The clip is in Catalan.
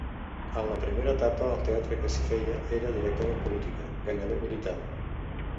En la primera etapa el teatre que s'hi feia era directament política, gairebé militant.